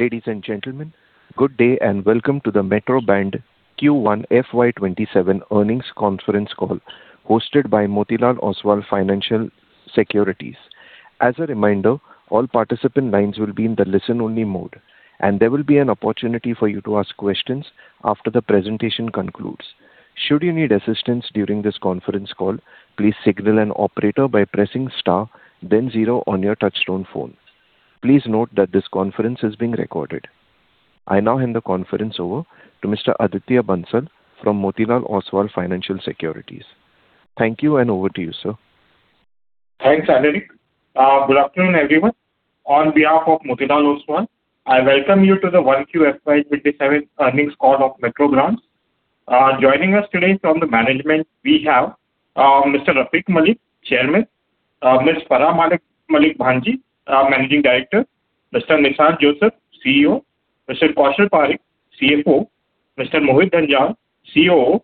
Ladies and gentlemen, good day and welcome to the Metro Brands Q1 FY 2027 earnings conference call hosted by Motilal Oswal Financial Securities. As a reminder, all participant lines will be in the listen-only mode, and there will be an opportunity for you to ask questions after the presentation concludes. Should you need assistance during this conference call, please signal an operator by pressing star then zero on your touchtone phone. Please note that this conference is being recorded. I now hand the conference over to Mr. Aditya Bansal from Motilal Oswal Financial Securities. Thank you, and over to you, sir. Thanks, Anirudh. Good afternoon, everyone. On behalf of Motilal Oswal, I welcome you to the 1Q FY 2027 earnings call of Metro Brands. Joining us today from the management we have Mr. Rafique Malik, Chairman, Ms. Farah Malik Bhanji, Managing Director, Mr. Nissan Joseph, CEO, Mr. Kaushal Parekh, CFO, Mr. Mohit Dhanjal, COO,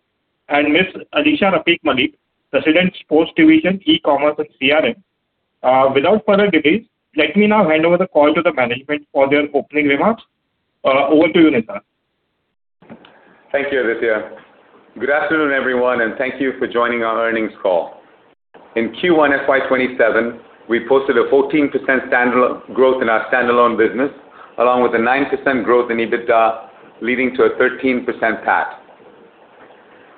and Ms. Alisha Rafique Malik, President, Sports Division, E-commerce and CRM. Without further delays, let me now hand over the call to the management for their opening remarks. Over to you, Nissan. Thank you, Aditya. Good afternoon, everyone, and thank you for joining our earnings call. In Q1 FY 2027, we posted a 14% growth in our standalone business, along with a 9% growth in EBITDA, leading to a 13% PAT.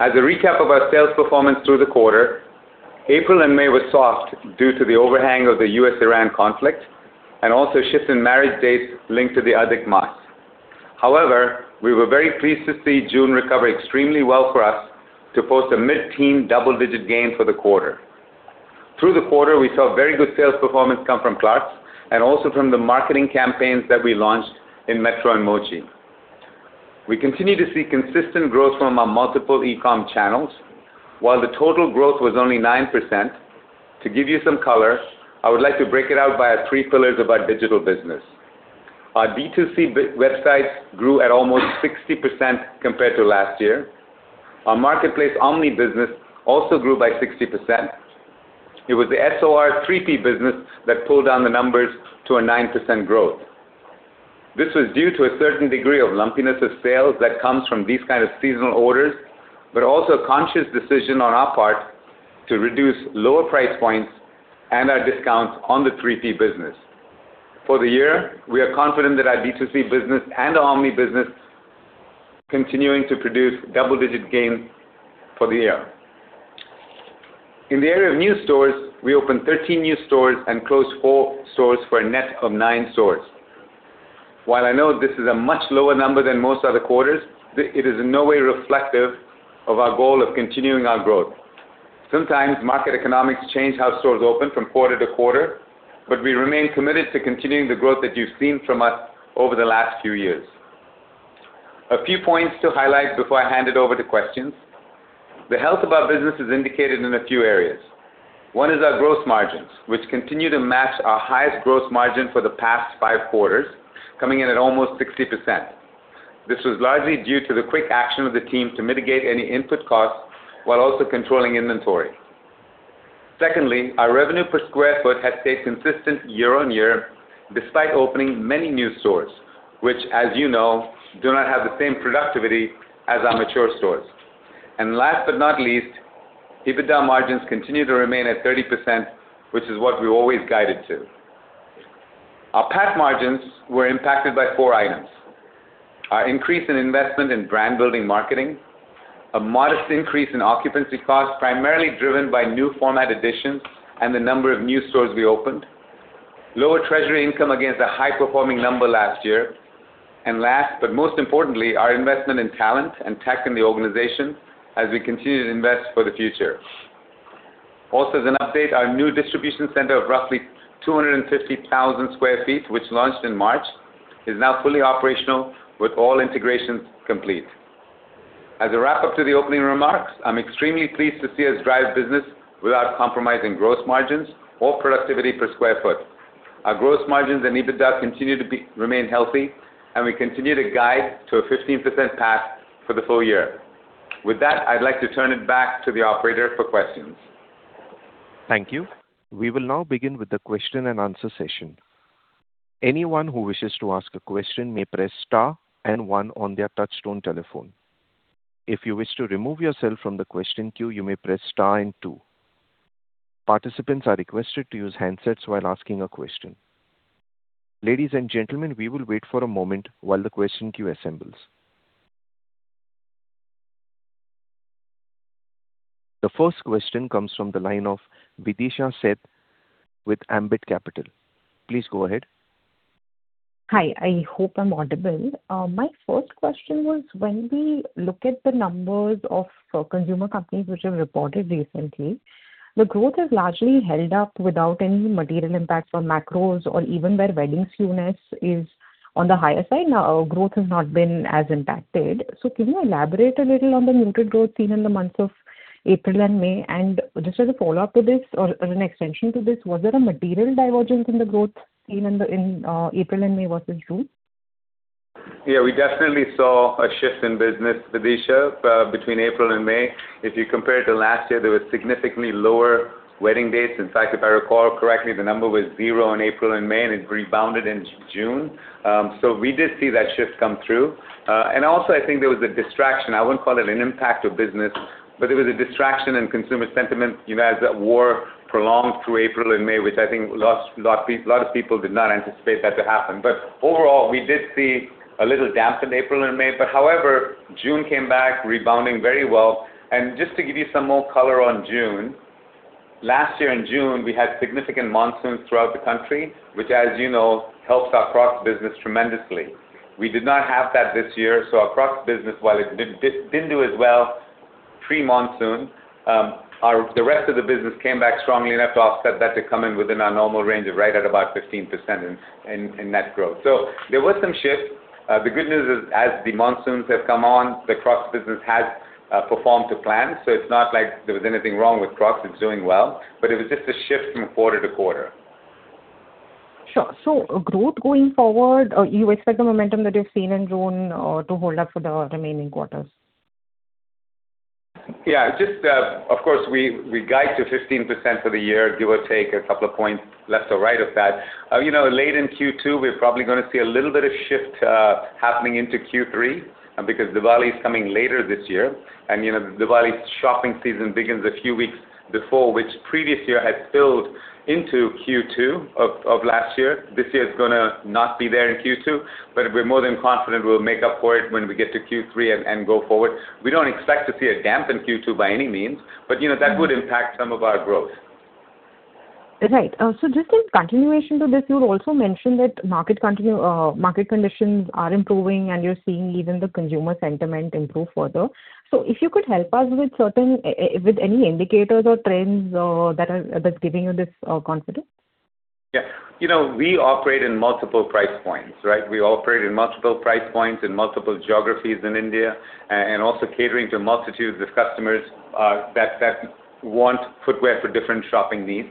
As a recap of our sales performance through the quarter, April and May were soft due to the overhang of the U.S.-Iran conflict and also shifts in marriage dates linked to the Adhik Maas. However, we were very pleased to see June recover extremely well for us to post a mid-teen double-digit gain for the quarter. Through the quarter, we saw very good sales performance come from Clarks and also from the marketing campaigns that we launched in Metro and Mochi. We continue to see consistent growth from our multiple e-com channels. While the total growth was only 9%, to give you some color, I would like to break it out by our three pillars of our digital business. Our B2C websites grew at almost 60% compared to last year. Our marketplace Omni business also grew by 60%. It was the SOR 3P business that pulled down the numbers to a 9% growth. This was due to a certain degree of lumpiness of sales that comes from these kind of seasonal orders, but also a conscious decision on our part to reduce lower price points and our discounts on the 3P business. For the year, we are confident that our B2C business and our Omni business continuing to produce double-digit gains for the year. In the area of new stores, we opened 13 new stores and closed four stores for a net of nine stores. While I know this is a much lower number than most other quarters, it is in no way reflective of our goal of continuing our growth. Sometimes market economics change how stores open from quarter-to-quarter, we remain committed to continuing the growth that you've seen from us over the last few years. A few points to highlight before I hand it over to questions. The health of our business is indicated in a few areas. One is our gross margins, which continue to match our highest gross margin for the past five quarters, coming in at almost 60%. This was largely due to the quick action of the team to mitigate any input costs while also controlling inventory. Secondly, our revenue per square feet has stayed consistent year-over-year, despite opening many new stores, which, as you know, do not have the same productivity as our mature stores. Last but not least, EBITDA margins continue to remain at 30%, which is what we always guided to. Our PAT margins were impacted by four items. Our increase in investment in brand-building marketing, a modest increase in occupancy costs, primarily driven by new format additions and the number of new stores we opened, lower treasury income against a high-performing number last year, and last, but most importantly, our investment in talent and tech in the organization as we continue to invest for the future. Also, as an update, our new distribution center of roughly 250,000 sq ft, which launched in March, is now fully operational with all integrations complete. As a wrap-up to the opening remarks, I'm extremely pleased to see us drive business without compromising gross margins or productivity per square feet. Our growth margins and EBITDA continue to remain healthy, we continue to guide to a 15% PAT for the full year. With that, I'd like to turn it back to the operator for questions. Thank you. We will now begin with the question-and-answer session. Anyone who wishes to ask a question may press star and one on their touch-tone telephone. If you wish to remove yourself from the question queue, you may press star and two. Participants are requested to use handsets while asking a question. Ladies and gentlemen, we will wait for a moment while the question queue assembles. The first question comes from the line of Videesha Sheth with Ambit Capital. Please go ahead. Hi, I hope I'm audible. My first question was, when we look at the numbers of consumer companies which have reported recently, the growth is largely held up without any material impact from macros or even where wedding skewness is on the higher side. Growth has not been as impacted. Can you elaborate a little on the muted growth seen in the months of April and May? Just as a follow-up to this or as an extension to this, was there a material divergence in the growth seen in April and May versus June? We definitely saw a shift in business, Videesha, between April and May. If you compare it to last year, there was significantly lower wedding dates. In fact, if I recall correctly, the number was zero in April and May, and it rebounded in June. We did see that shift come through. I think there was a distraction. I wouldn't call it an impact of business, but it was a distraction in consumer sentiment as that war prolonged through April and May, which I think a lot of people did not anticipate that to happen. Overall, we did see a little damp in April and May. However, June came back rebounding very well. Just to give you some more color on June, last year in June, we had significant monsoons throughout the country, which as you know, helped our Crocs business tremendously. We did not have that this year, our Crocs business, while it didn't do as well pre-monsoon, the rest of the business came back strongly enough to offset that to come in within our normal range of right at about 15% in net growth. There was some shift. The good news is, as the monsoons have come on, the Crocs business has performed to plan. It's not like there was anything wrong with Crocs, it's doing well, but it was just a shift from quarter-to-quarter. Sure. Growth going forward, you expect the momentum that you've seen in June to hold up for the remaining quarters? Yeah. Of course, we guide to 15% for the year, give or take a couple of points left or right of that. Late in Q2, we're probably gonna see a little bit of shift happening into Q3 because Diwali is coming later this year. Diwali's shopping season begins a few weeks before, which previous year had spilled into Q2 of last year. This year it's gonna not be there in Q2, but we're more than confident we'll make up for it when we get to Q3 and go forward. We don't expect to see a damp in Q2 by any means, but that would impact some of our growth. Right. Just in continuation to this, you also mentioned that market conditions are improving and you're seeing even the consumer sentiment improve further. If you could help us with any indicators or trends that's giving you this confidence. Yeah. We operate in multiple price points, right? We operate in multiple price points in multiple geographies in India, and also catering to multitudes of customers that want footwear for different shopping needs.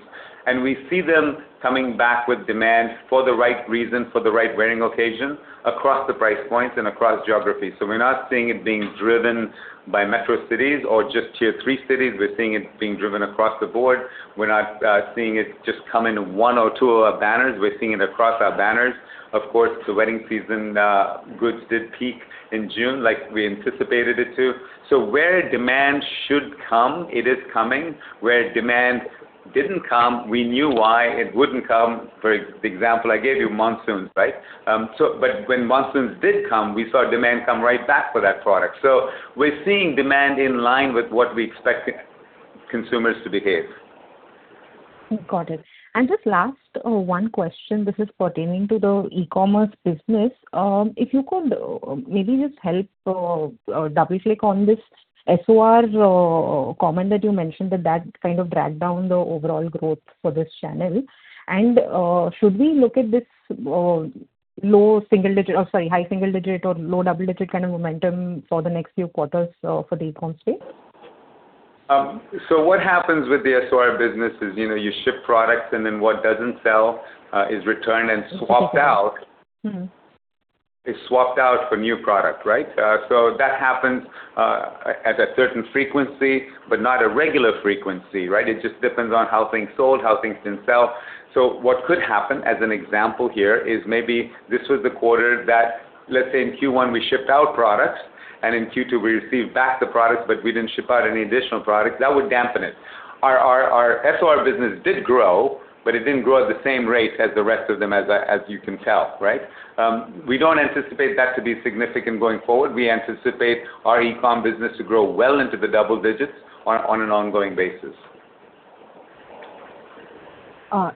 We see them coming back with demand for the right reason, for the right wearing occasion, across the price points and across geographies. We're not seeing it being driven by metro cities or just Tier Three cities. We're seeing it being driven across the board. We're not seeing it just come in one or two of our banners. We're seeing it across our banners. Of course, the wedding season goods did peak in June like we anticipated it to. Where demand should come, it is coming. Where demand didn't come, we knew why it wouldn't come. For example, I gave you monsoons, right? When monsoons did come, we saw demand come right back for that product. We're seeing demand in line with what we expect consumers to behave. Got it. Just last one question. This is pertaining to the e-commerce business. If you could maybe just help double-click on this SOR comment that you mentioned that kind of dragged down the overall growth for this channel. Should we look at this high single digit or low double digit kind of momentum for the next few quarters for the e-com space? What happens with the SOR business is you ship products, what doesn't sell is returned and swapped out-- Is swapped out for new product, right? That happens at a certain frequency, but not a regular frequency, right? It just depends on how things sold, how things didn't sell. What could happen, as an example here, is maybe this was the quarter that, let's say in Q1 we shipped out products, and in Q2 we received back the products, but we didn't ship out any additional products. That would dampen it. Our SOR business did grow, but it didn't grow at the same rate as the rest of them, as you can tell, right? We don't anticipate that to be significant going forward. We anticipate our e-com business to grow well into the double digits on an ongoing basis.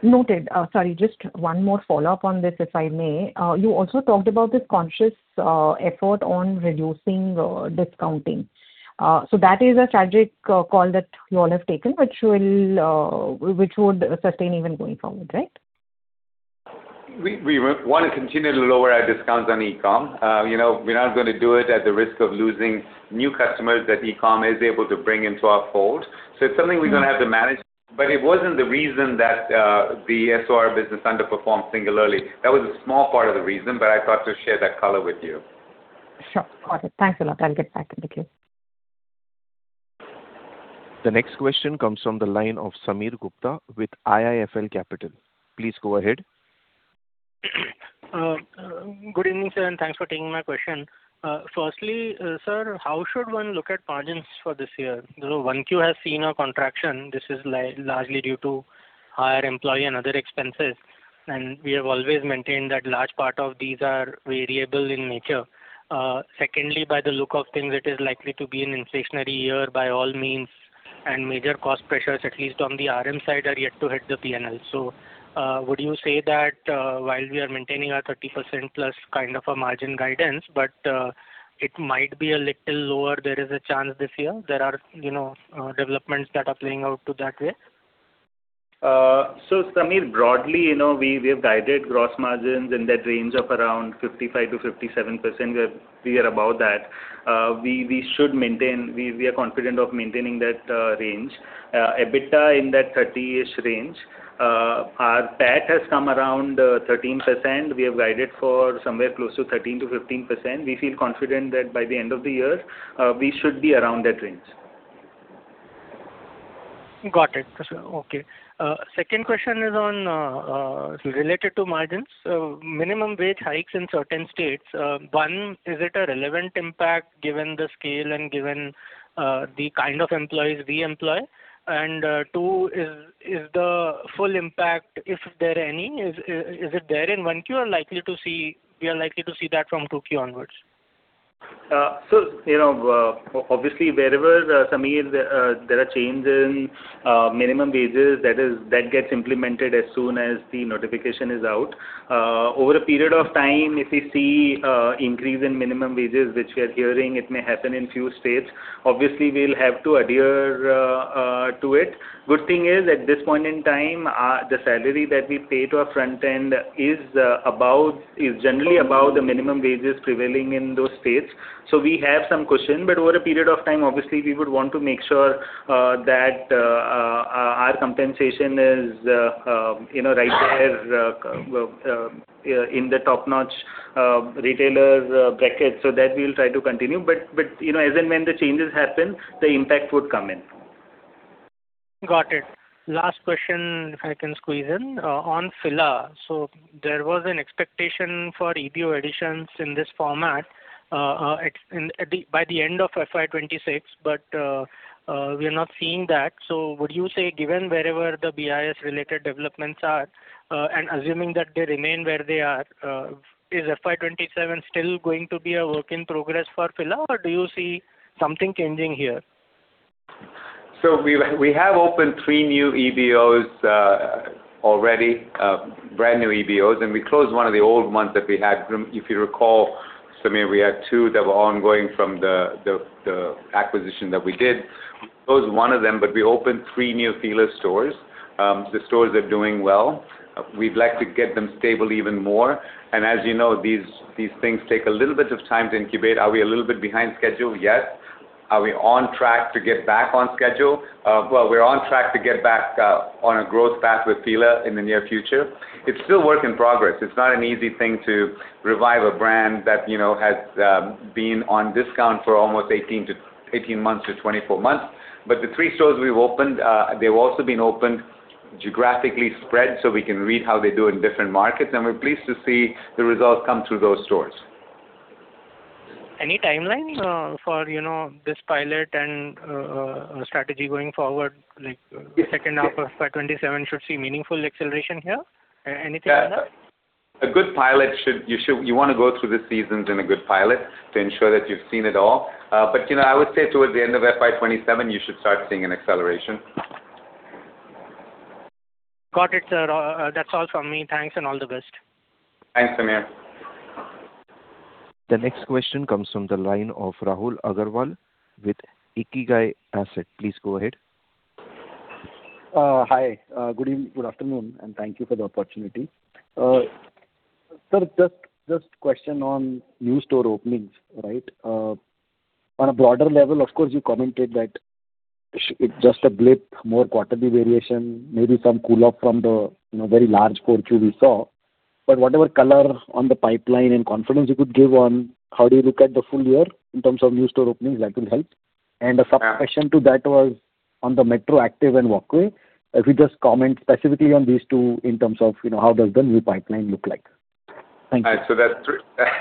Noted. Sorry, just one more follow-up on this, if I may. You also talked about this conscious effort on reducing discounting. That is a strategic call that you all have taken, which would sustain even going forward, right? We want to continue to lower our discounts on e-com. We're not going to do it at the risk of losing new customers that e-com is able to bring into our fold. It's something we're going to have to manage. It wasn't the reason that the SOR business underperformed singularly. That was a small part of the reason, but I thought to share that color with you. Sure. Got it. Thanks a lot. I'll get back in the queue. The next question comes from the line of Sameer Gupta with IIFL Capital. Please go ahead. Good evening, sir, thanks for taking my question. Firstly, sir, how should one look at margins for this year? 1Q has seen a contraction. This is largely due to higher employee and other expenses, we have always maintained that large part of these are variable in nature. Secondly, by the look of things, it is likely to be an inflationary year by all means, major cost pressures, at least on the RM side, are yet to hit the P&L. Would you say that while we are maintaining our 30%+ kind of a margin guidance, but it might be a little lower, there is a chance this year? There are developments that are playing out to that risk? Sameer, broadly, we have guided gross margins in that range of around 55%-57%, we are above that. We are confident of maintaining that range. EBITDA in that 30%-ish range. Our PAT has come around 13%. We have guided for somewhere close to 13%-15%. We feel confident that by the end of the year, we should be around that range. Got it. Okay. Second question is related to margins. Minimum wage hikes in certain states, one, is it a relevant impact given the scale and given the kind of employees we employ? Two, is the full impact, if there are any, is it there in 1Q or we are likely to see that from 2Q onwards? Wherever, Sameer, there are changes in minimum wages, that gets implemented as soon as the notification is out. Over a period of time, if we see an increase in minimum wages, which we are hearing it may happen in few states, obviously we'll have to adhere to it. Good thing is, at this point in time, the salary that we pay to our front end is generally above the minimum wages prevailing in those states. We have some cushion, but over a period of time, obviously, we would want to make sure that our compensation is right there in the top-notch retailers bracket, so that we'll try to continue. As and when the changes happen, the impact would come in. Got it. Last question, if I can squeeze in, on FILA. There was an expectation for EBO additions in this format by the end of FY 2026, but we are not seeing that. Would you say, given wherever the BIS-related developments are, and assuming that they remain where they are, is FY 2027 still going to be a work in progress for FILA, or do you see something changing here? We have opened three new EBOs already, brand new EBOs, We closed one of the old ones that we had. If you recall, Sameer, we had two that were ongoing from the acquisition that we did. We closed one of them, we opened three new FILA stores. The stores are doing well. We'd like to get them stable even more. As you know, these things take a little bit of time to incubate. Are we a little bit behind schedule? Yes. Are we on track to get back on schedule? We're on track to get back on a growth path with FILA in the near future. It's still work in progress. It's not an easy thing to revive a brand that has been on discount for almost 18 months-24 months. The three stores we've opened, they've also been opened geographically spread, so we can read how they do in different markets, we're pleased to see the results come through those stores. Any timeline for this pilot and strategy going forward, like second half of FY 2027 should see meaningful acceleration here? Anything on that? A good pilot, you want to go through the seasons in a good pilot to ensure that you've seen it all. I would say towards the end of FY 2027, you should start seeing an acceleration. Got it, sir. That's all from me. Thanks, and all the best. Thanks, Sameer. The next question comes from the line of Rahul Agarwal with Ikigai Asset. Please go ahead. Hi. Good afternoon, and thank you for the opportunity. Sir, just question on new store openings. On a broader level, of course, you commented that it's just a blip, more quarterly variation, maybe some cool off from the very large 4Q we saw. Whatever color on the pipeline and confidence you could give on how do you look at the full year in terms of new store openings, that will help. A sub-question to that was on the MetroActiv and Walkway. If you just comment specifically on these two in terms of how does the new pipeline look like. Thank you.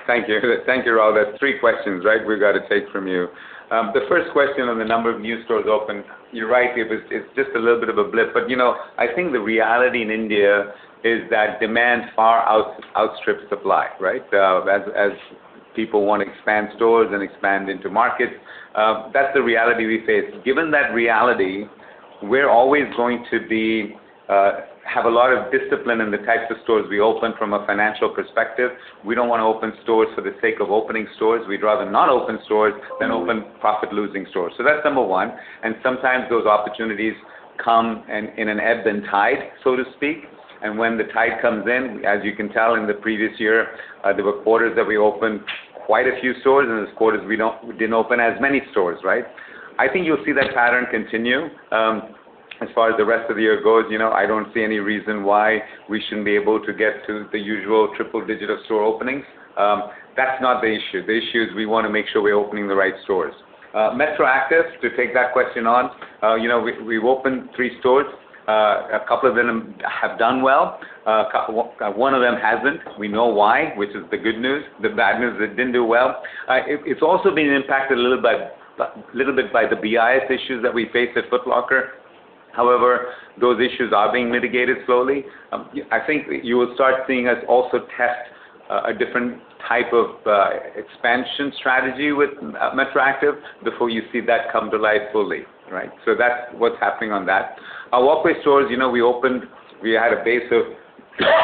Thank you, Rahul. That's three questions we've got to take from you. The first question on the number of new stores open, you're right, it's just a little bit of a blip. I think the reality in India is that demand far outstrips supply. As people want to expand stores and expand into markets, that's the reality we face. Given that reality, we're always going to have a lot of discipline in the types of stores we open from a financial perspective. We don't want to open stores for the sake of opening stores. We'd rather not open stores than open profit-losing stores. That's number one. Sometimes those opportunities come in an ebb and tide, so to speak. When the tide comes in, as you can tell, in the previous year, there were quarters that we opened quite a few stores. There's quarters we didn't open as many stores. I think you'll see that pattern continue. As far as the rest of the year goes, I don't see any reason why we shouldn't be able to get to the usual triple digital store openings. That's not the issue. The issue is we want to make sure we're opening the right stores. MetroActiv, to take that question on, we've opened three stores. A couple of them have done well. One of them hasn't. We know why, which is the good news. The bad news, it didn't do well. It's also been impacted a little bit by the BIS issues that we face at Foot Locker. However, those issues are being mitigated slowly. I think you will start seeing us also test a different type of expansion strategy with MetroActiv before you see that come to life fully. That's what's happening on that. Our Walkway stores, we had a base of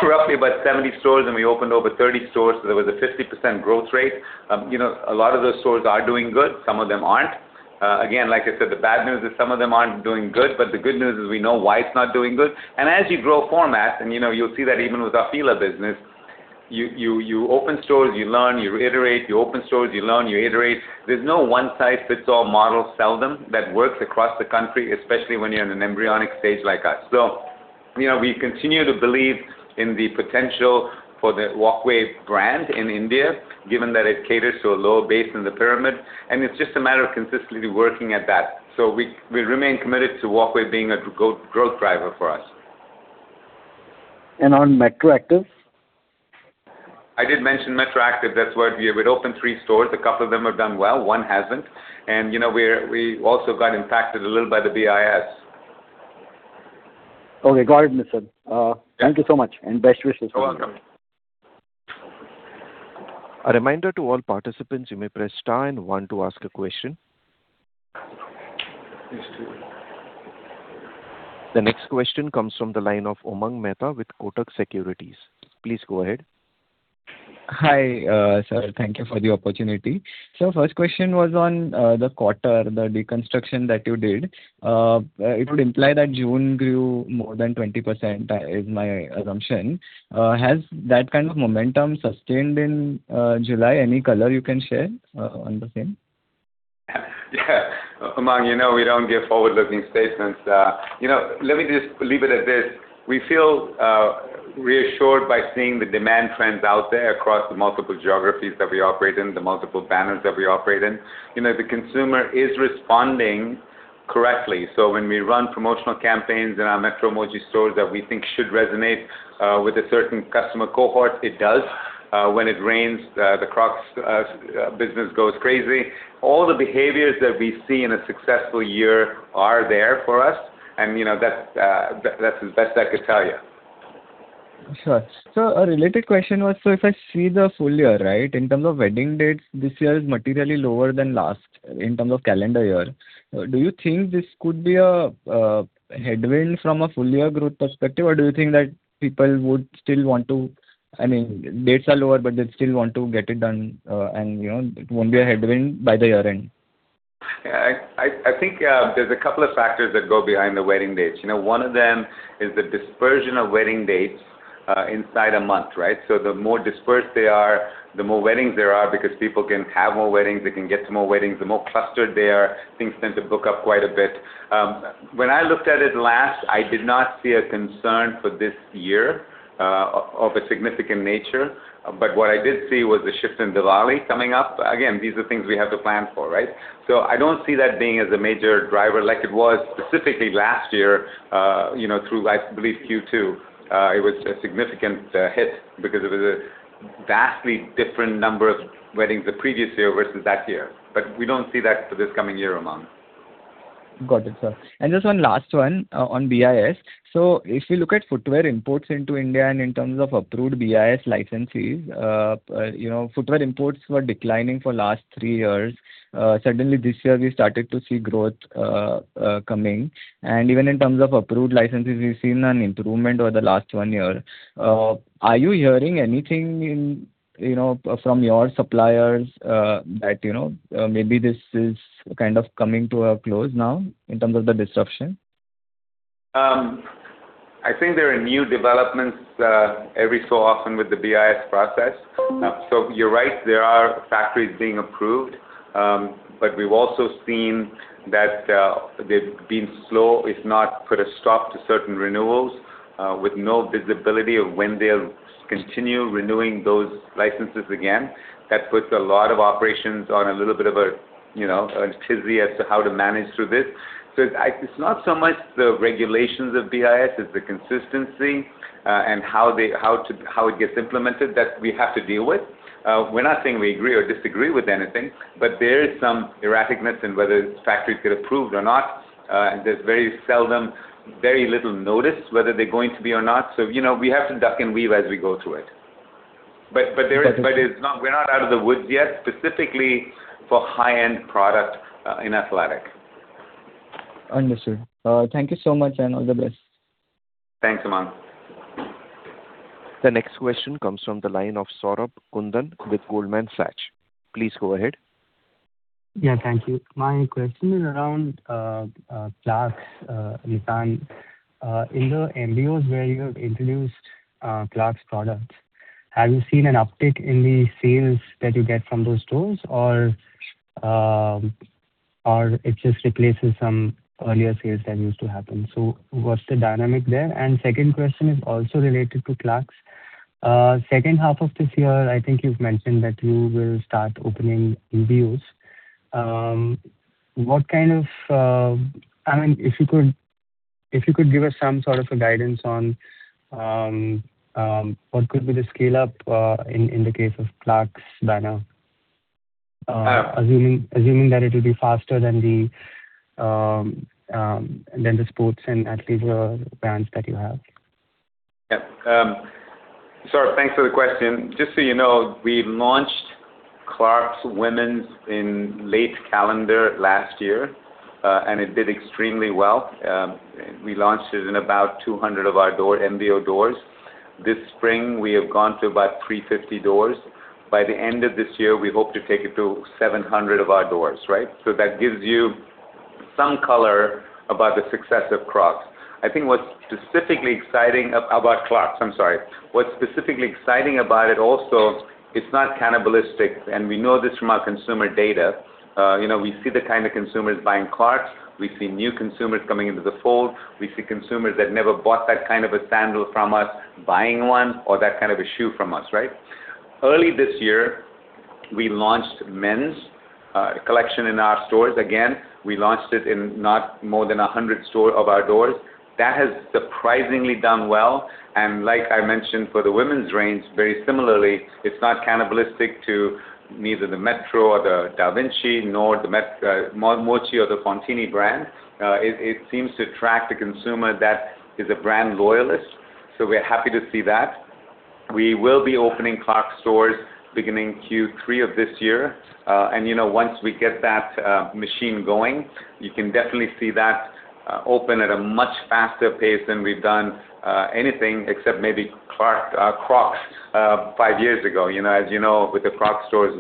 roughly about 70 stores, and we opened over 30 stores, so there was a 50% growth rate. A lot of those stores are doing good, some of them aren't. Again, like I said, the bad news is some of them aren't doing good, but the good news is we know why it's not doing good. You'll see that even with our FILA business, you open stores, you learn, you reiterate, you open stores, you learn, you reiterate. There's no one-size-fits-all model seldom that works across the country, especially when you're in an embryonic stage like us. We continue to believe in the potential for the Walkway brand in India, given that it caters to a lower base in the pyramid, and it's just a matter of consistently working at that. We remain committed to Walkway being a growth driver for us. On MetroActiv? I did mention MetroActiv. That's where we've opened three stores. A couple of them have done well, one hasn't, and we also got impacted a little by the BIS. Okay. Got it, sir. Yeah. Thank you so much, and best wishes. You're welcome. A reminder to all participants, you may press star and one to ask a question. The next question comes from the line of Umang Mehta with Kotak Securities. Please go ahead. Hi. Sir, thank you for the opportunity. The first question was on the quarter, the deconstruction that you did. It would imply that June grew more than 20%, is my assumption. Has that kind of momentum sustained in July? Any color you can share on the same? Umang, you know we don't give forward-looking statements. Let me just leave it at this. We feel reassured by seeing the demand trends out there across the multiple geographies that we operate in, the multiple banners that we operate in. The consumer is responding correctly. When we run promotional campaigns in our Metro, Mochi stores that we think should resonate with a certain customer cohort, it does. When it rains, the Crocs business goes crazy. All the behaviors that we see in a successful year are there for us, that's the best I could tell you. Sure. A related question was, if I see the full year, right, in terms of wedding dates, this year is materially lower than last, in terms of calendar year. Do you think this could be a headwind from a full-year growth perspective, or do you think that people would still want to dates are lower, but they still want to get it done, it won't be a headwind by the year-end? I think there's a couple of factors that go behind the wedding dates. One of them is the dispersion of wedding dates inside a month, right? The more dispersed they are, the more weddings there are, because people can have more weddings, they can get to more weddings. The more clustered they are, things tend to book up quite a bit. When I looked at it last, I did not see a concern for this year of a significant nature. What I did see was a shift in Diwali coming up. Again, these are things we have to plan for, right? I don't see that being as a major driver like it was specifically last year through, I believe, Q2. It was a significant hit because it was a vastly different number of weddings the previous year versus that year. We don't see that for this coming year, Umang. Got it, sir. Just one last one on BIS. If you look at footwear imports into India and in terms of approved BIS licenses, footwear imports were declining for last three years. Suddenly this year, we started to see growth coming, and even in terms of approved licenses, we've seen an improvement over the last one year. Are you hearing anything from your suppliers that maybe this is kind of coming to a close now in terms of the disruption? I think there are new developments every so often with the BIS process. You're right, there are factories being approved. We've also seen that they've been slow, if not put a stop to certain renewals, with no visibility of when they'll continue renewing those licenses again. That puts a lot of operations on a little bit of a tizzy as to how to manage through this. It's not so much the regulations of BIS, it's the consistency and how it gets implemented that we have to deal with. We're not saying we agree or disagree with anything, there is some erratic-ness in whether factories get approved or not. There's very seldom, very little notice whether they're going to be or not. We have to duck and weave as we go through it- Got it. ...we're not out of the woods yet, specifically for high-end product in athletic. Understood. Thank you so much, and all the best. Thanks, Umang. The next question comes from the line of Saurabh Kundan with Goldman Sachs. Please go ahead. Yeah, thank you. My question is around Clarks retail. In the MBOs where you have introduced Clarks products, have you seen an uptick in the sales that you get from those stores, or it just replaces some earlier sales that used to happen? What's the dynamic there? Second question is also related to Clarks. Second half of this year, I think you've mentioned that you will start opening MBOs. If you could give us some sort of a guidance on what could be the scale-up in the case of Clarks banner, assuming that it'll be faster than the sports and athletic brands that you have. Yeah. Saurabh, thanks for the question. Just so you know, we launched Clarks Women's in late calendar last year, and it did extremely well. We launched it in about 200 of our MBO doors. This spring, we have gone to about 350 doors. By the end of this year, we hope to take it to 700 of our doors, right? That gives you some color about the success of Crocs. I think what's specifically exciting about Clarks, I'm sorry. What's specifically exciting about it also, it's not cannibalistic, and we know this from our consumer data. We see the kind of consumers buying Clarks. We see new consumers coming into the fold. We see consumers that never bought that kind of a sandal from us buying one or that kind of a shoe from us, right? Early this year, we launched men's collection in our stores. Again, we launched it in not more than 100 stores of our doors. That has surprisingly done well. Like I mentioned for the women's range, very similarly, it's not cannibalistic to neither the Metro or the Davinchi nor the Mochi or the J. Fontini brands. It seems to attract a consumer that is a brand loyalist. We're happy to see that. We will be opening Clarks stores beginning Q3 of this year. Once we get that machine going, you can definitely see that open at a much faster pace than we've done anything except maybe Crocs five years ago. As you know, with the Crocs stores,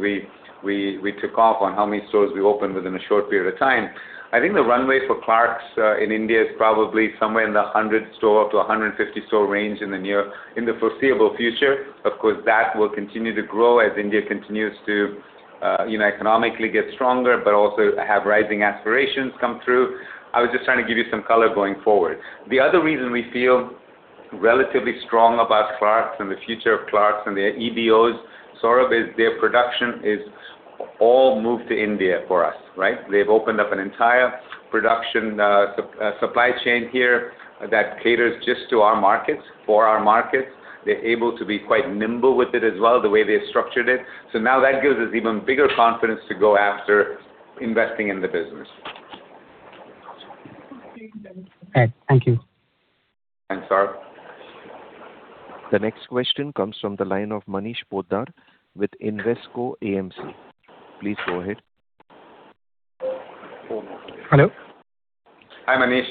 we took off on how many stores we opened within a short period of time. I think the runway for Clarks in India is probably somewhere in the 100-store up to 150-store range in the foreseeable future. Of course, that will continue to grow as India continues to economically get stronger, but also have rising aspirations come through. I was just trying to give you some color going forward. The other reason we feel relatively strong about Clarks and the future of Clarks and their EBOs, Saurabh, is their production is all moved to India for us. They've opened up an entire production supply chain here that caters just to our markets, for our markets. They're able to be quite nimble with it as well, the way they structured it. Now that gives us even bigger confidence to go after investing in the business. Okay. Thank you. Thanks, Saurabh. The next question comes from the line of Manish Poddar with Invesco AMC. Please go ahead. Hello. Hi, Manish.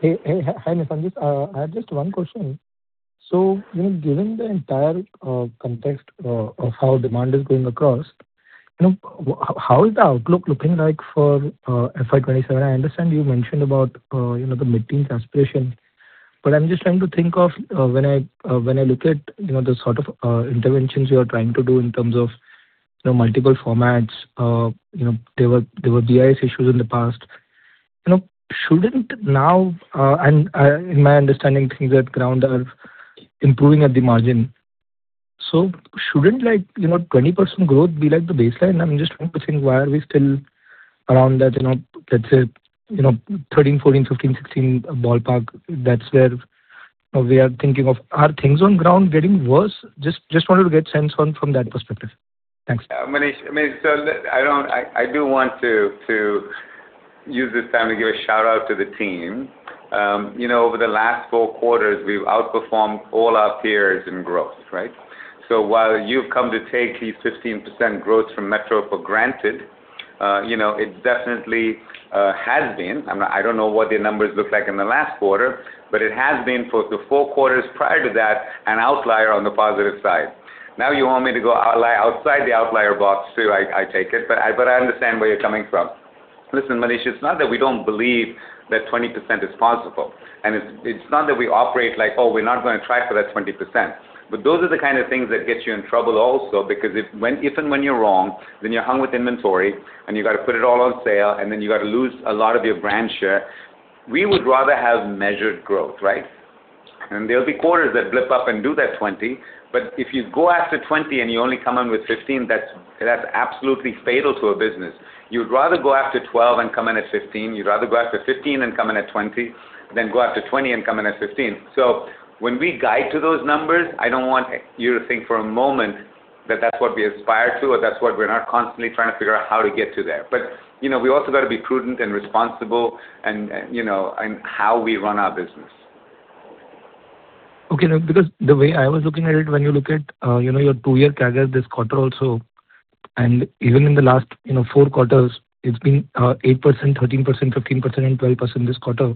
Hey. Hi, Nissan ji. I have just one question. Given the entire context of how demand is going across, how is the outlook looking like for FY 2027? I understand you mentioned about the mid-teen aspiration, but I'm just trying to think of when I look at the sort of interventions you are trying to do in terms of multiple formats. There were BIS issues in the past. In my understanding, things at ground are improving at the margin. Shouldn't 20% growth be like the baseline? I'm just trying to think why are we still around that, let's say, 13, 14, 15, 16 ballpark. That's where we are thinking of. Are things on ground getting worse? Just wanted to get sense from that perspective. Thanks. Manish, I do want to use this time to give a shout-out to the team. Over the last four quarters, we've outperformed all our peers in growth. While you've come to take these 15% growths from Metro for granted, it definitely has been. I don't know what the numbers look like in the last quarter, but it has been for the four quarters prior to that, an outlier on the positive side. You want me to go outside the outlier box too, I take it, but I understand where you're coming from. Listen, Manish, it's not that we don't believe that 20% is possible, and it's not that we operate like, "Oh, we're not going to try for that 20%." Those are the kind of things that get you in trouble also, because if and when you're wrong, then you're hung with inventory and you got to put it all on sale, and then you got to lose a lot of your brand share. We would rather have measured growth. There'll be quarters that blip up and do that 20%. If you go after 20% and you only come in with 15%, that's absolutely fatal to a business. You would rather go after 12% and come in at 15%. You'd rather go after 15% and come in at 20% than go after 20% and come in at 15%. When we guide to those numbers, I don't want you to think for a moment that's what we aspire to, or that's what we're not constantly trying to figure out how to get to there. We also got to be prudent and responsible in how we run our business. Okay. The way I was looking at it, when you look at your two-year CAGR this quarter also, and even in the last four quarters, it's been 8%, 13%, 15%, and 12% this quarter.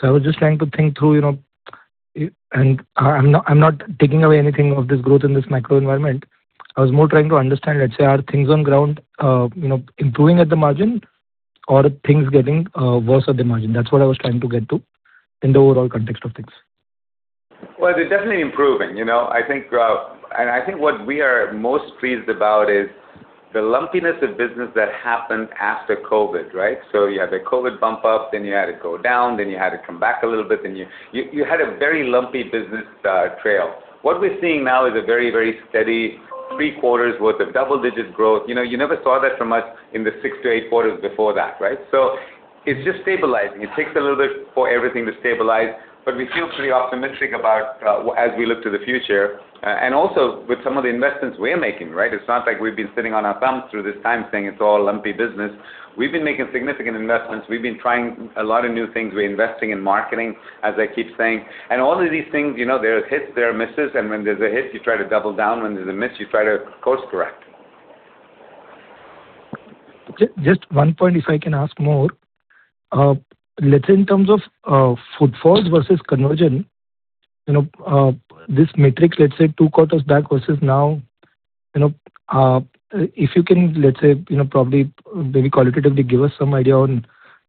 I was just trying to think through. I'm not taking away anything of this growth in this macro environment. I was more trying to understand, let's say, are things on ground improving at the margin or are things getting worse at the margin? That's what I was trying to get to in the overall context of things. They're definitely improving. I think what we are most pleased about is the lumpiness of business that happened after COVID. You had the COVID bump up, then you had it go down, then you had it come back a little bit. You had a very lumpy business trail. What we're seeing now is a very steady three quarters worth of double-digit growth. You never saw that from us in the six to eight quarters before that. It's just stabilizing. It takes a little bit for everything to stabilize, but we feel pretty optimistic about as we look to the future. Also with some of the investments we're making. It's not like we've been sitting on our thumbs through this time saying it's all lumpy business. We've been making significant investments. We've been trying a lot of new things. We're investing in marketing, as I keep saying. All of these things, there are hits, there are misses, and when there's a hit, you try to double down. When there's a miss, you try to course correct. Just one point, if I can ask more. Let's say in terms of footfalls versus conversion, this matrix, let's say two quarters back versus now. If you can, let's say, probably very qualitatively give us some idea on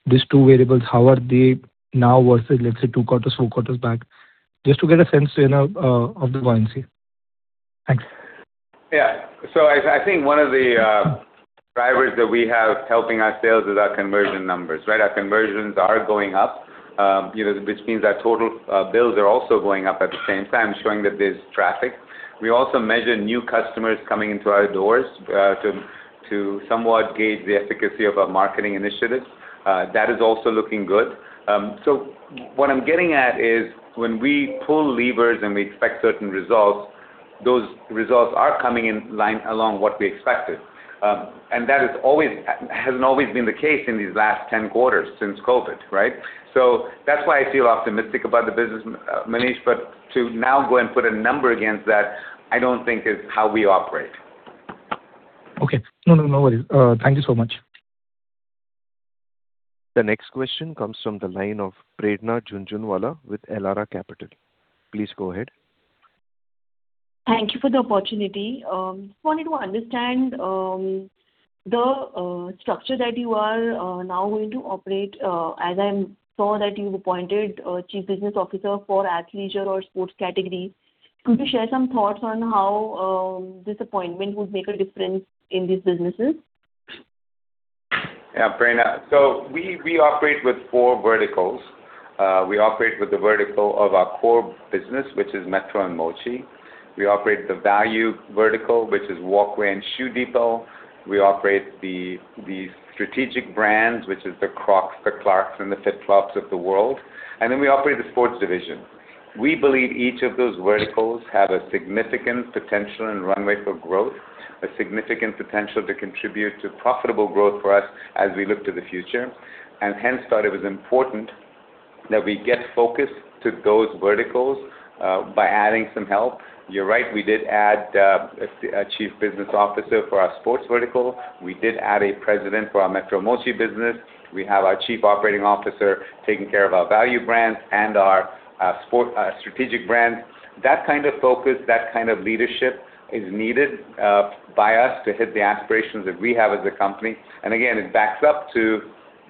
these two variables, how are they now versus, let's say, two quarters, four quarters back, just to get a sense of the buoyancy. Thanks. I think one of the drivers that we have helping our sales is our conversion numbers. Our conversions are going up, which means our total bills are also going up at the same time, showing that there's traffic. We also measure new customers coming into our doors to somewhat gauge the efficacy of our marketing initiatives. That is also looking good. What I'm getting at is when we pull levers and we expect certain results, those results are coming in line along what we expected. That hasn't always been the case in these last 10 quarters since COVID. That's why I feel optimistic about the business, Manish, but to now go and put a number against that, I don't think is how we operate. Okay. No worries. Thank you so much. The next question comes from the line of Prerna Jhunjhunwala with Elara Capital. Please go ahead. Thank you for the opportunity. Just wanted to understand the structure that you are now going to operate, as I saw that you've appointed a chief business officer for athleisure or sports category. Could you share some thoughts on how this appointment would make a difference in these businesses? Prerna. We operate with four verticals. We operate with the vertical of our core business, which is Metro and Mochi. We operate the value vertical, which is Walkway and Shoe Depot. We operate the strategic brands, which is the Crocs, the Clarks, and the FitFlops of the world. We operate the sports division. We believe each of those verticals have a significant potential and runway for growth, a significant potential to contribute to profitable growth for us as we look to the future. Hence thought it was important that we get focused to those verticals, by adding some help. You're right, we did add a chief business officer for our sports vertical. We did add President for our Metro, Mochi business. We have our Chief Operating Officer taking care of our value brands and our strategic brands. That kind of focus, that kind of leadership is needed by us to hit the aspirations that we have as a company. Again, it backs up to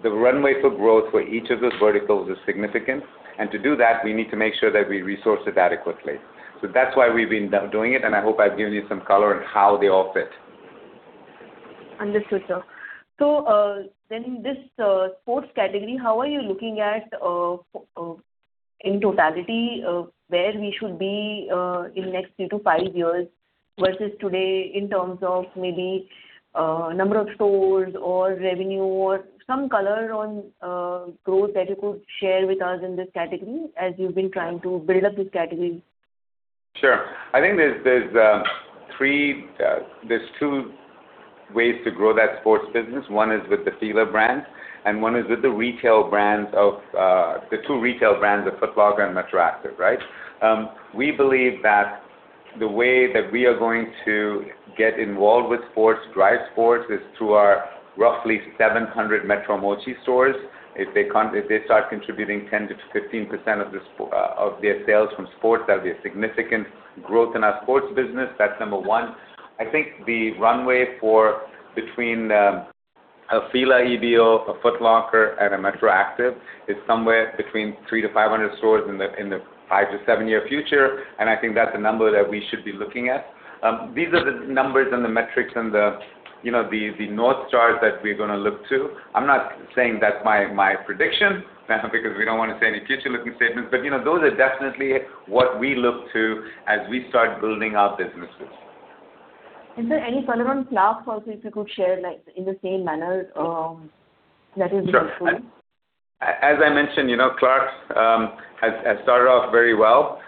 the runway for growth for each of those verticals is significant. To do that, we need to make sure that we resource it adequately. That's why we've been doing it, and I hope I've given you some color on how they all fit. Understood, sir. Then this sports category, how are you looking at in totality, where we should be in next three to five years versus today in terms of maybe number of stores or revenue or some color on growth that you could share with us in this category as you've been trying to build up this category? Sure. I think there's two ways to grow that sports business. One is with the FILA brand, and one is with the two retail brands of Foot Locker and MetroActiv. We believe that the way that we are going to get involved with sports, drive sports, is through our roughly 700 Metro Mochi stores. If they start contributing 10%-15% of their sales from sports, that'll be a significant growth in our sports business. That's number one. I think the runway for between a FILA EBO, a Foot Locker, and a MetroActiv is somewhere between 300-500 stores in the five to seven-year future, and I think that's a number that we should be looking at. These are the numbers and the metrics and the North Stars that we're going to look to. I'm not saying that's my prediction, Prerna, because we don't want to say any future-looking statements. Those are definitely what we look to as we start building our businesses. Is there any color on Clarks also you could share, like, in the same manner? That is useful. Sure. As I mentioned, Clarks has started off very well.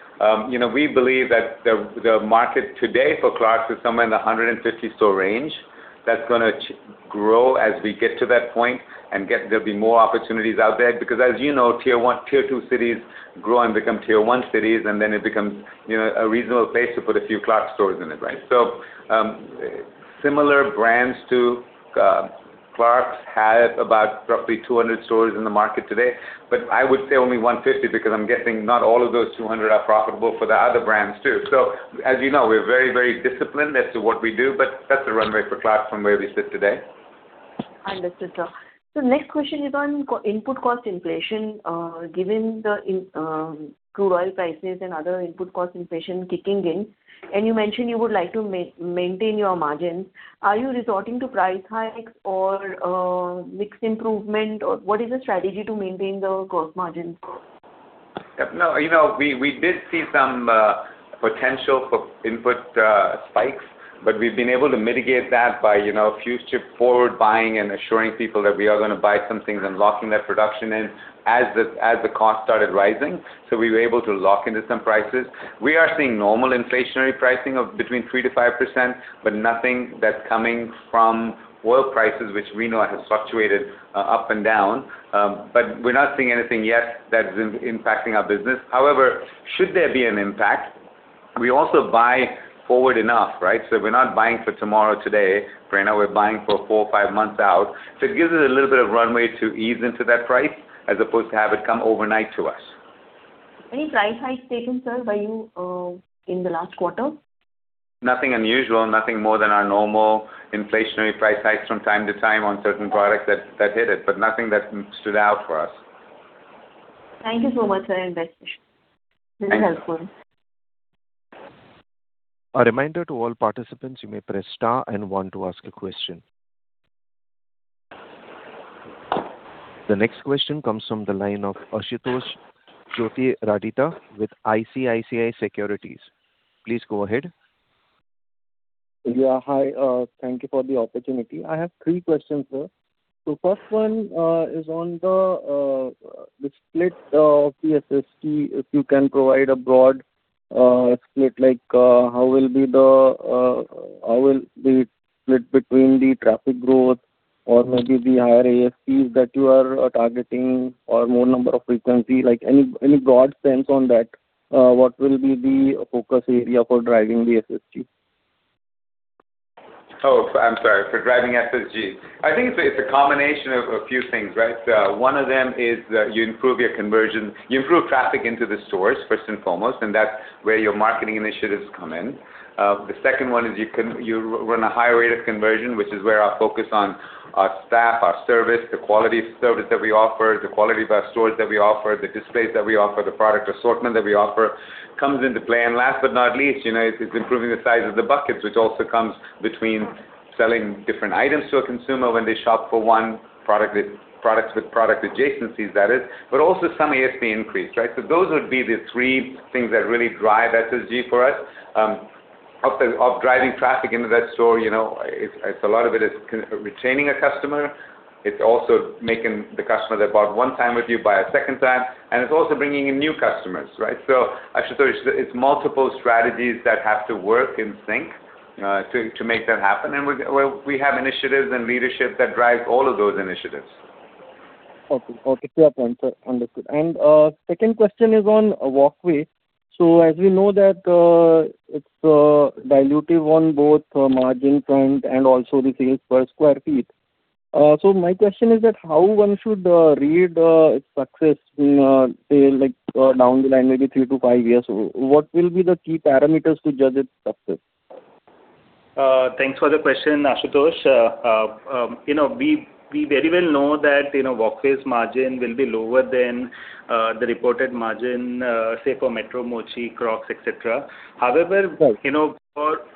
We believe that the market today for Clarks is somewhere in the 150 store range. That's gonna grow as we get to that point, and there'll be more opportunities out there. As you know, Tier One, Tier Two cities grow and become Tier One cities, and then it becomes a reasonable place to put a few Clarks stores in it. Similar brands to Clarks have about roughly 200 stores in the market today. I would say only 150, because I'm guessing not all of those 200 are profitable for the other brands too. As you know, we're very disciplined as to what we do, but that's the runway for Clarks from where we sit today. Understood, sir. Next question is on input cost inflation. Given the crude oil prices and other input cost inflation kicking in, and you mentioned you would like to maintain your margins, are you resorting to price hikes or mixed improvement, or what is the strategy to maintain the gross margins? No. We did see some potential for input spikes. We've been able to mitigate that by future forward buying and assuring people that we are gonna buy some things and locking that production in as the cost started rising. We were able to lock into some prices. We are seeing normal inflationary pricing of between 3%-5%, but nothing that's coming from oil prices, which we know has fluctuated up and down. We're not seeing anything yet that is impacting our business. However, should there be an impact, we also buy forward enough. We're not buying for tomorrow, today, Prerna. We're buying for four or five months out. It gives us a little bit of runway to ease into that price as opposed to have it come overnight to us. Any price hikes taken, sir, by you, in the last quarter? Nothing unusual. Nothing more than our normal inflationary price hikes from time to time on certain products that hit it, but nothing that stood out for us. Thank you so much, sir. Very nice. Really helpful. A reminder to all participants, you may press star and one to ask a question. The next question comes from the line of Ashutosh Joytiraditya with ICICI Securities. Please go ahead. Yeah. Hi. Thank you for the opportunity. I have three questions, sir. First one is on the split of the SSG. If you can provide a broad split, like how will it be split between the traffic growth or maybe the higher ASPs that you are targeting, or more number of frequency. Any broad sense on that, what will be the focus area for driving the SSG? Oh, I'm sorry, for driving SSG. I think it's a combination of a few things, right? One of them is you improve your conversion, you improve traffic into the stores, first and foremost, and that's where your marketing initiatives come in. The second one is you run a higher rate of conversion, which is where our focus on our staff, our service, the quality of service that we offer, the quality of our stores that we offer, the displays that we offer, the product assortment that we offer, comes into play. Last but not least, it's improving the size of the buckets, which also comes between selling different items to a consumer when they shop for one product, with product adjacencies that is, but also some ASP increase, right? Those would be the three things that really drive SSG for us. Apart from driving traffic into that store, a lot of it is retaining a customer. It's also making the customer that bought one time with you buy a second time, and it's also bringing in new customers, right? Ashutosh, it's multiple strategies that have to work in sync to make that happen. We have initiatives and leadership that drives all of those initiatives. Okay. Clear point, sir. Understood. Second question is on Walkway. As we know that it's dilutive on both margin front and also the sales per square feet. My question is that how one should read its success in, say, like down the line, maybe three to five years? What will be the key parameters to judge its success? Thanks for the question, Ashutosh. We very well know that Walkway's margin will be lower than the reported margin, say, for Metro, Mochi, Crocs, etc. Right.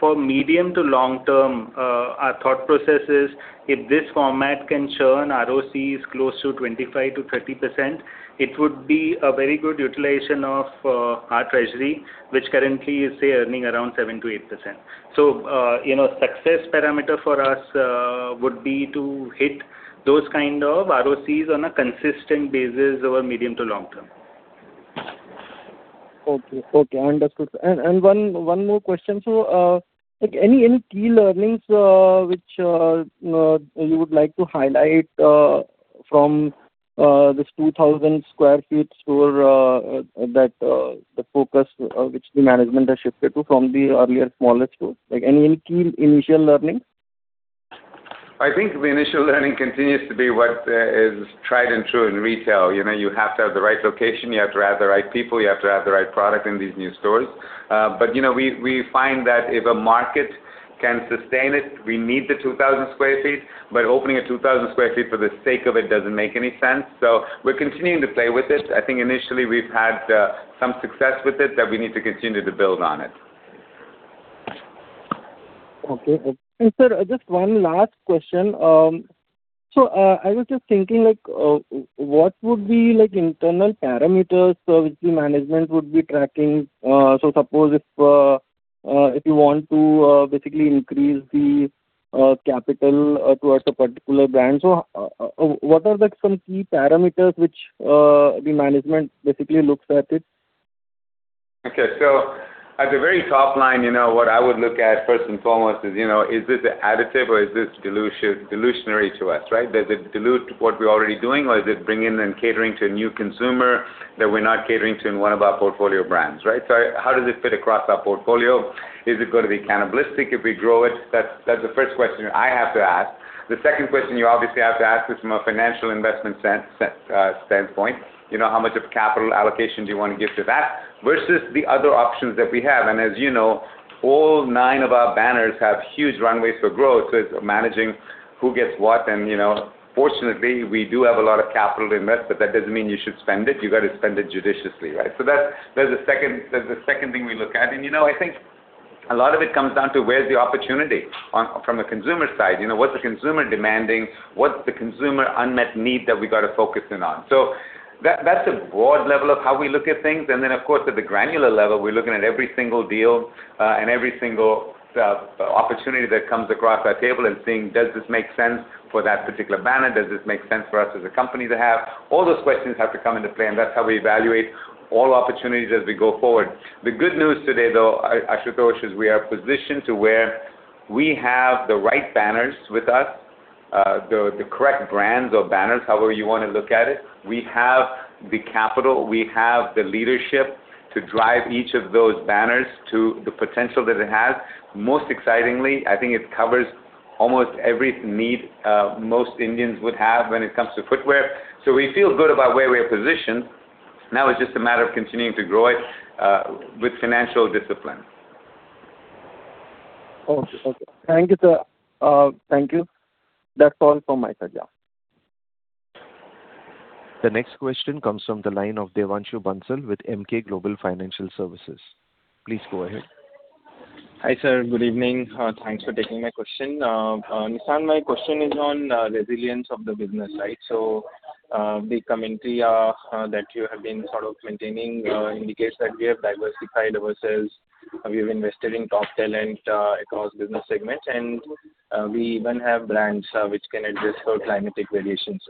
For medium to long term, our thought process is, if this format can churn ROCs close to 25%-30%, it would be a very good utilization of our treasury, which currently is, say, earning around 7%-8%. Success parameter for us would be to hit those kind of ROCs on a consistent basis over medium to long term. Okay. Understood. One more question, sir. Any key learnings which you would like to highlight from this 2,000 sq ft store, the focus which the management has shifted to from the earlier smaller stores. Any key initial learning? I think the initial learning continues to be what is tried and true in retail. You have to have the right location, you have to have the right people, you have to have the right product in these new stores. We find that if a market can sustain it, we need the 2,000 sq ft. Opening a 2,000 sq ft for the sake of it doesn't make any sense. We're continuing to play with it. I think initially we've had some success with it that we need to continue to build on it. Okay. Sir, just one last question. I was just thinking, what would be internal parameters which the management would be tracking? Suppose if you want to basically increase the capital towards a particular brand. What are some key parameters which the management basically looks at it? Okay. At the very top line, what I would look at first and foremost is this additive or is this delusionary to us, right? Does it dilute what we're already doing or is it bringing and catering to a new consumer that we're not catering to in one of our portfolio brands, right? How does it fit across our portfolio? Is it going to be cannibalistic if we grow it? That's the first question I have to ask. The second question you obviously have to ask is from a financial investment standpoint. How much of capital allocation do you want to give to that versus the other options that we have? As you know, all nine of our banners have huge runways for growth. It's managing who gets what. Fortunately, we do have a lot of capital to invest, but that doesn't mean you should spend it. You got to spend it judiciously, right? That's the second thing we look at. I think a lot of it comes down to where's the opportunity from a consumer side. What's the consumer demanding? What's the consumer unmet need that we got to focus in on? That's the broad level of how we look at things. Then of course, at the granular level, we're looking at every single deal and every single opportunity that comes across our table and seeing does this make sense for that particular banner? Does this make sense for us as a company to have? All those questions have to come into play, and that's how we evaluate all opportunities as we go forward. The good news today, though, Ashutosh, is we are positioned to where we have the right banners with us, the correct brands or banners, however you want to look at it. We have the capital. We have the leadership to drive each of those banners to the potential that it has. Most excitingly, I think it covers almost every need most Indians would have when it comes to footwear. We feel good about where we are positioned. Now it's just a matter of continuing to grow it with financial discipline. Okay. Thank you, sir. Thank you. That's all from my side. Yeah. The next question comes from the line of Devanshu Bansal with Emkay Global Financial Services. Please go ahead. Hi, sir. Good evening. Thanks for taking my question. Nissan, my question is on the resilience of the business. The commentary that you have been sort of maintaining indicates that we have diversified ourselves. We have invested in top talent across business segments, and we even have brands which can adjust for climatic variations.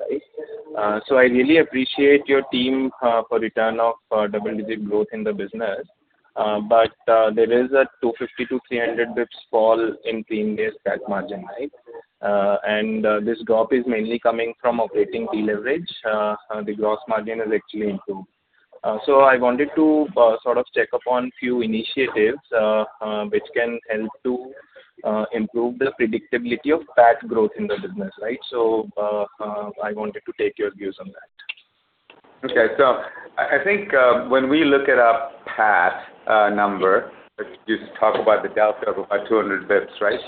I really appreciate your team for return of double-digit growth in the business. There is a 250 basis points-300 basis points fall in pre-indebted PAT margin. This drop is mainly coming from operating deleverage. The gross margin has actually improved. I wanted to sort of check up on few initiatives, which can help to improve the predictability of PAT growth in the business. I wanted to take your views on that. Okay. I think when we look at our PAT number, you talk about the delta of about 200 basis points, right?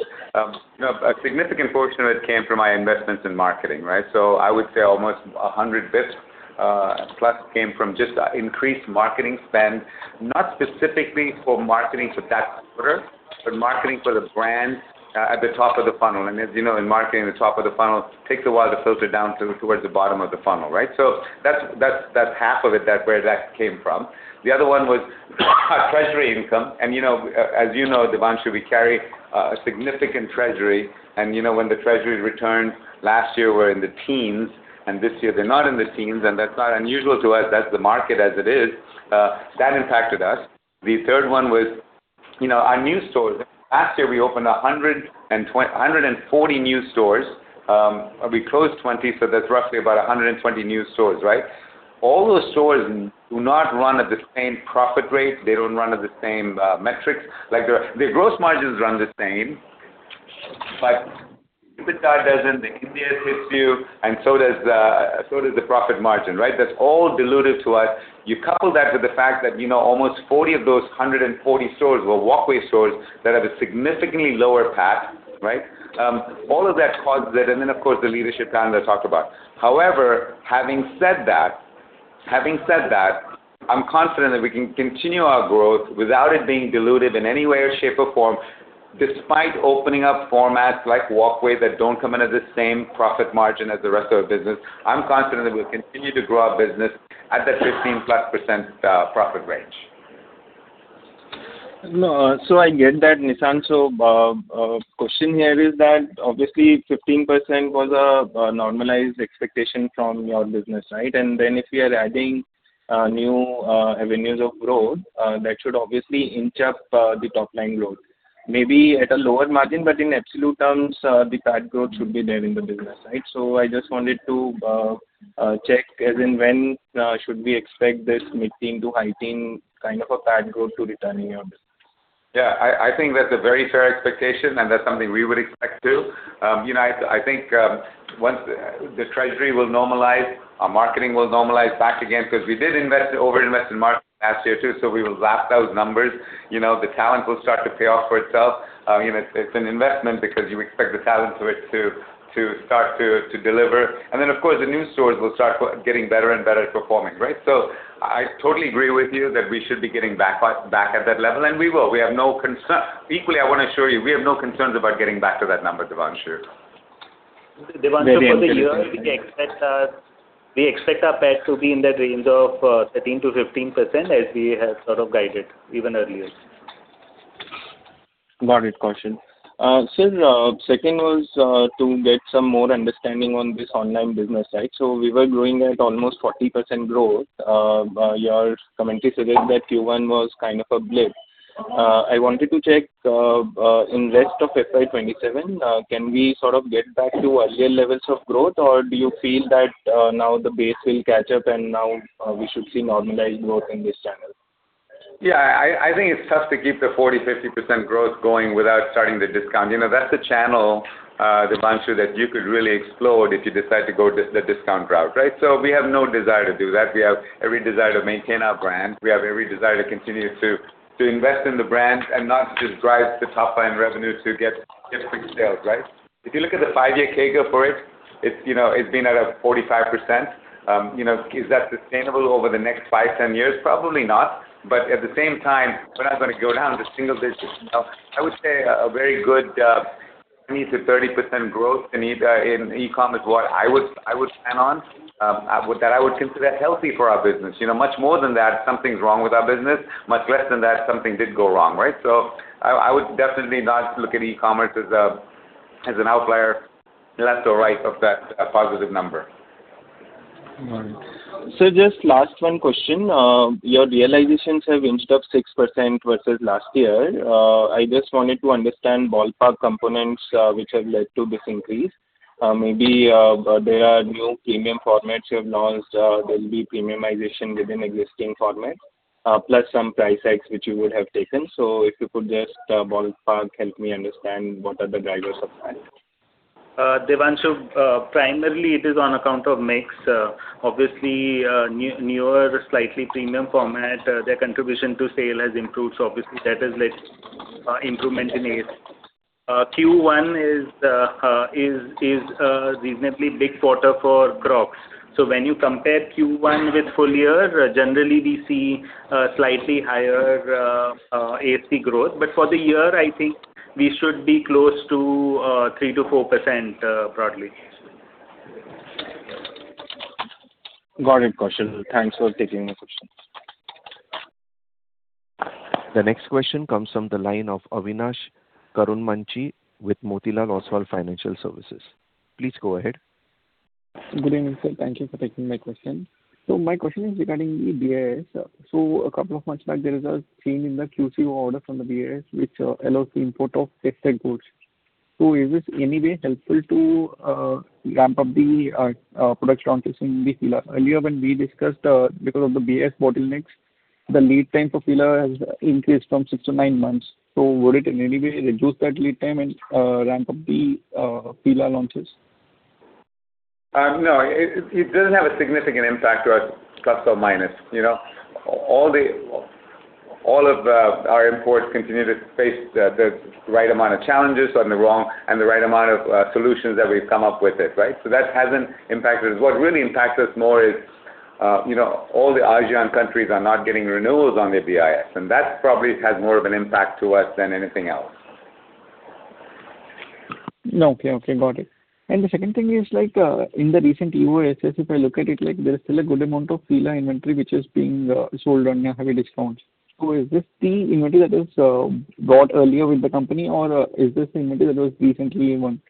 A significant portion of it came from our investments in marketing. I would say almost 100 basis points plus came from just increased marketing spend, not specifically for marketing for that quarter, but marketing for the brand at the top of the funnel. As you know, in marketing, the top of the funnel takes a while to filter down towards the bottom of the funnel, right? That's half of it, where that came from. The other one was treasury income. As you know, Devanshu, we carry a significant treasury. When the treasury returns last year were in the teens, this year they're not in the teens, that's not unusual to us. That's the market as it is. That impacted us. The third one was our new stores. Last year, we opened 140 new stores. We closed 20, so that's roughly about 120 new stores. All those stores do not run at the same profit rate. They don't run at the same metrics. The gross margins run the same, but EBITDA doesn't, the indirect hits you, and so does the profit margin. That's all dilutive to us. You couple that with the fact that almost 40 of those 140 stores were Walkway stores that have a significantly lower PAT. All of that caused it, and then of course, the leadership talent I talked about. However, having said that, I'm confident that we can continue our growth without it being dilutive in any way, or shape, or form, despite opening up formats like Walkway that don't come in at the same profit margin as the rest of the business. I'm confident that we'll continue to grow our business at that 15 plus % profit range. I get that, Nissan. Question here is that obviously 15% was a normalized expectation from your business. If we are adding new avenues of growth, that should obviously inch up the top-line growth. Maybe at a lower margin, but in absolute terms, the PAT growth should be there in the business. I just wanted to check as in when should we expect this mid-teen to high-teen kind of a PAT growth to return in your business? Yeah, I think that's a very fair expectation, and that's something we would expect too. I think once the treasury will normalize, our marketing will normalize back again, because we did over-invest in marketing last year too. We will lap those numbers. The talent will start to pay off for itself. It's an investment because you expect the talent to start to deliver. Of course, the new stores will start getting better and better at performing. I totally agree with you that we should be getting back at that level, and we will. Equally, I want to assure you, we have no concerns about getting back to that number, Devanshu. Devanshu, for the year, we expect our PAT to be in that range of 13%-15%, as we have sort of guided even earlier. Got it. Second was to get some more understanding on this online business. We were growing at almost 40% growth. Your commentary suggests that Q1 was kind of a blip. I wanted to check in rest of FY 2027, can we sort of get back to earlier levels of growth, do you feel that now the base will catch up and now we should see normalized growth in this channel? Yeah, I think it's tough to keep the 40%-50% growth going without starting the discount. That's a channel, Devanshu, that you could really explode if you decide to go the discount route. We have no desire to do that. We have every desire to maintain our brand. We have every desire to continue to invest in the brand and not just drive the top-line revenue to get big sales. If you look at the five-year CAGR for it's been at a 45%. Is that sustainable over the next five, 10 years? Probably not. At the same time, we're not going to go down to single digits. I would say a very good 20%-30% growth in e-com is what I would stand on. That I would consider healthy for our business. Much more than that, something's wrong with our business. Much less than that, something did go wrong. I would definitely not look at e-commerce as an outlier left or right of that positive number. Got it. Sir, just last one question. Your realizations have inched up 6% versus last year. I just wanted to understand ballpark components which have led to this increase. Maybe there are new premium formats you have launched. There will be premiumization within existing formats, plus some price hikes which you would have taken. If you could just ballpark help me understand what are the drivers of that. Devanshu, primarily it is on account of mix. Obviously, newer, slightly premium format, their contribution to sale has improved. Obviously that has led to improvement in it. Q1 is a reasonably big quarter for Crocs. When you compare Q1 with full year, generally we see a slightly higher ASP growth. For the year, I think we should be close to 3%-4% broadly. Got it, Kaushal. Thanks for taking my question. The next question comes from the line of Avinash Karumanchi with Motilal Oswal Financial Services. Please go ahead. Good evening, sir. Thank you for taking my question. My question is regarding the BIS. A couple of months back, there was a change in the QCO order from the BIS, which allows the import of tested goods. Is this any way helpful to ramp up the production on FILA? Earlier when we discussed because of the BIS bottlenecks, the lead time for FILA has increased from six to nine months. Would it in any way reduce that lead time and ramp up the FILA launches? No, it doesn't have a significant impact to us, plus or minus. All of our imports continue to face the right amount of challenges and the right amount of solutions that we've come up with it, right? That hasn't impacted us. What really impacts us more is all the Asian countries are not getting renewals on their BIS, and that probably has more of an impact to us than anything else. Okay. Got it. The second thing is, in the recent EOSS, if I look at it, there's still a good amount of FILA inventory which is being sold on heavy discounts. Is this the inventory that was bought earlier with the company, or is this the inventory that was recently won?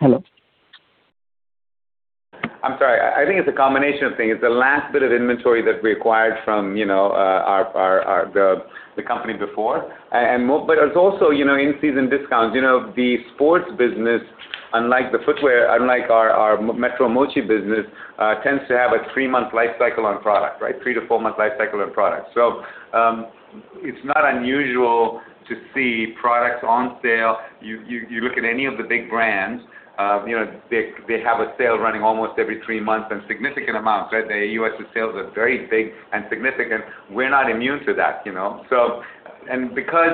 Hello? I'm sorry. I think it's a combination of things. It's the last bit of inventory that we acquired from the company before. There's also in-season discounts. The sports business, unlike the footwear, unlike our Metro, Mochi business, tends to have a three-month life cycle on product. Three to four month life cycle on product. It's not unusual to see products on sale. You look at any of the big brands, they have a sale running almost every three months in significant amounts. Their U.S.A. sales are very big and significant. We're not immune to that. Because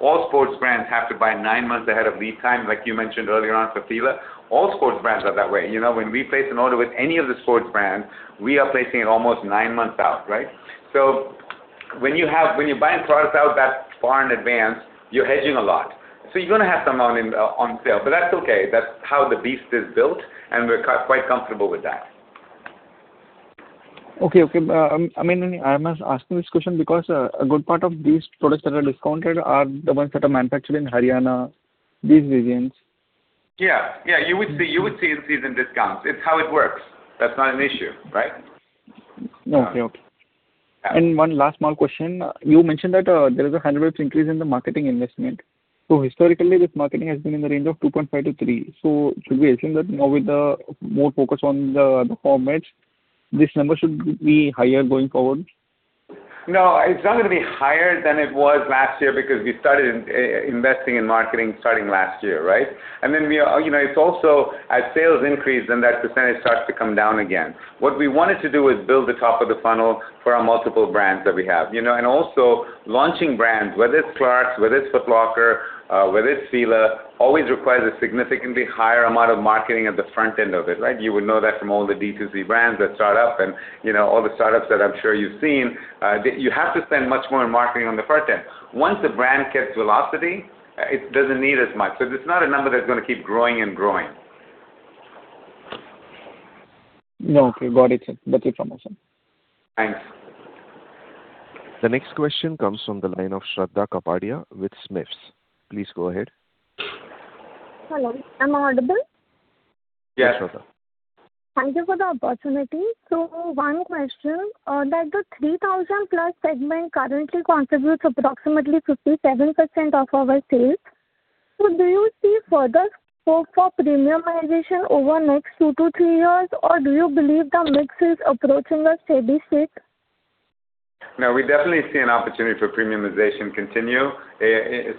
all sports brands have to buy nine months ahead of lead time, like you mentioned earlier on for FILA, all sports brands are that way. When we place an order with any of the sports brands, we are placing it almost nine months out. When you're buying products out that far in advance, you're hedging a lot. You're going to have some on sale. That's okay. That's how the beast is built, and we're quite comfortable with that. Okay. I'm asking this question because a good part of these products that are discounted are the ones that are manufactured in Haryana, these regions. Yeah. You would see in-season discounts. It's how it works. That's not an issue, right? Okay. One last small question. You mentioned that there is a 100 basis point increase in the marketing investment. Historically, this marketing has been in the range of 2.5%-3%. Should we assume that now with the more focus on the formats, this number should be higher going forward? No, it's not going to be higher than it was last year because we started investing in marketing starting last year. It's also, as sales increase, that percentage starts to come down again. What we wanted to do is build the top of the funnel for our multiple brands that we have. Also launching brands, whether it's Clarks, whether it's Foot Locker, whether it's FILA, always requires a significantly higher amount of marketing at the front end of it. You would know that from all the D2C brands that start up and all the startups that I'm sure you've seen. You have to spend much more in marketing on the front end. Once a brand gets velocity, it doesn't need as much. It's not a number that's going to keep growing and growing. Okay. Got it, sir. Thank you so much. Thanks. The next question comes from the line of Shraddha Kapadia with SMIFS. Please go ahead. Hello, am I audible? Yes. Yes, Shraddha. Thank you for the opportunity. One question. That the 3,000+ segment currently contributes approximately 57% of our sales. Do you see further scope for premiumization over next two to three years, or do you believe the mix is approaching a steady state? No, we definitely see an opportunity for premiumization continue,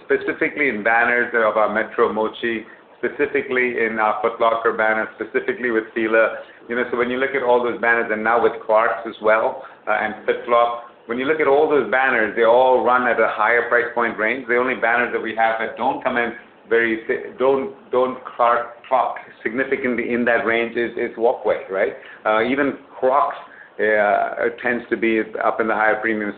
specifically in banners of our Metro, Mochi, specifically in our Foot Locker banners, specifically with FILA. When you look at all those banners, and now with Clarks as well and FitFlop, when you look at all those banners, they all run at a higher price point range. The only banners that we have that don't clock significantly in that range is Walkway. Even Crocs tends to be up in the higher premium.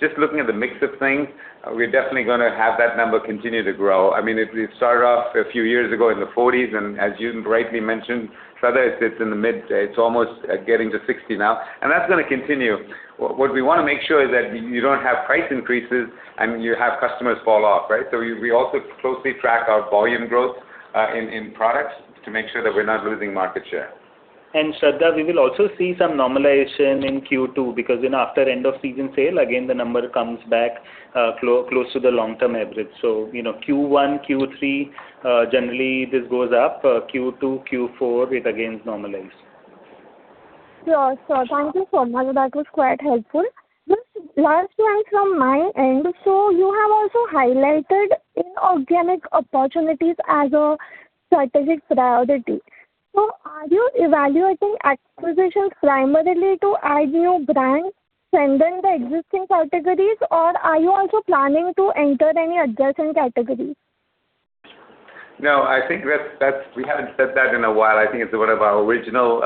Just looking at the mix of things, we're definitely going to have that number continue to grow. It started off a few years ago in the 40s, and as you rightly mentioned, Shraddha, it's almost getting to 60 now, and that's going to continue. What we want to make sure is that you don't have price increases and you have customers fall off. We also closely track our volume growth in products to make sure that we're not losing market share. Shraddha, we will also see some normalization in Q2 because after end of season sale, again, the number comes back close to the long-term average. Q1, Q3, generally this goes up. Q2, Q4, it again normalizes. Sure. Thank you, Kaushal. That was quite helpful. Just last one from my end. You have also highlighted inorganic opportunities as a strategic priority. Are you evaluating acquisitions primarily to add new brands within the existing categories, or are you also planning to enter any adjacent categories? No, I think we haven't said that in a while. I think it's one of our original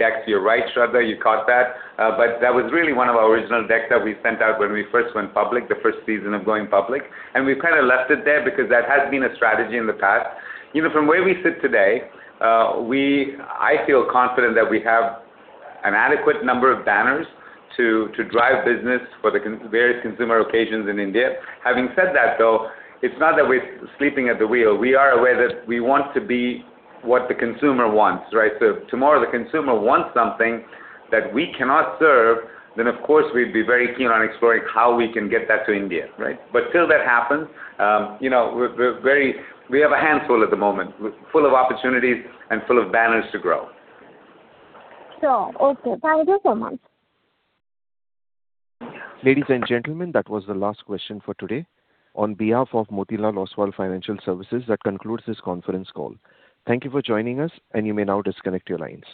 decks. You're right, Shraddha, you caught that. That was really one of our original decks that we sent out when we first went public, the first season of going public. We've kind of left it there because that has been a strategy in the past. From where we sit today, I feel confident that we have an adequate number of banners to drive business for the various consumer occasions in India. Having said that, though, it's not that we're sleeping at the wheel. We are aware that we want to be what the consumer wants. Tomorrow, the consumer wants something that we cannot serve, then of course, we'd be very keen on exploring how we can get that to India. Till that happens, we have a handful at the moment, full of opportunities and full of banners to grow. Sure. Okay. Thank you, Nissan. Ladies and gentlemen, that was the last question for today. On behalf of Motilal Oswal Financial Services, that concludes this conference call. Thank you for joining us, and you may now disconnect your lines.